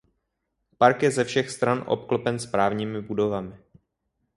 Park je ze všech stran obklopen správními budovami.